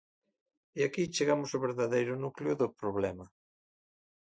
E aquí chegamos ao verdadeiro núcleo do problema.